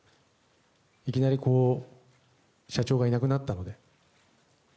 いきなり社長がいなくなったので。